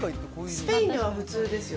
スペインでは普通ですよ。